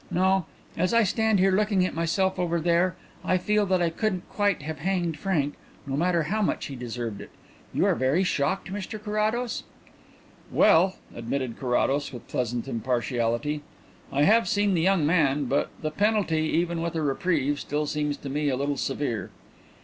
No, as I stand here looking at myself over there, I feel that I couldn't quite have hanged Frank, no matter how much he deserved it.... You are very shocked, Mr Carrados?" "Well," admitted Carrados, with pleasant impartiality, "I have seen the young man, but the penalty, even with a reprieve, still seems to me a little severe."